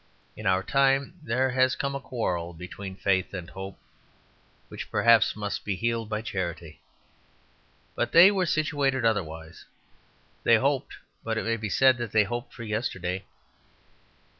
In our time there has come a quarrel between faith and hope which perhaps must be healed by charity. But they were situated otherwise. They hoped but it may be said that they hoped for yesterday.